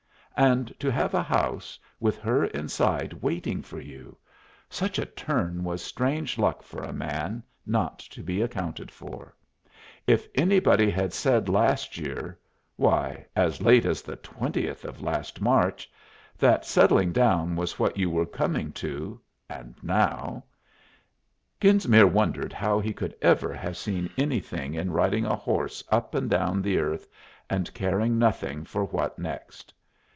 And to have a house, with her inside waiting for you! Such a turn was strange luck for a man, not to be accounted for. If anybody had said last year why, as late as the 20th of last March that settling down was what you were coming to and now Genesmere wondered how he could ever have seen anything in riding a horse up and down the earth and caring nothing for what next.